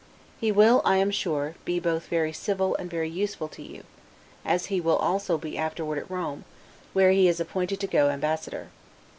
He will, I am sure, be both very civil and very useful to you there, as he will also be afterward at Rome, where he is appointed to go ambassador.